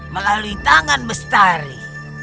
melalui tangan bestari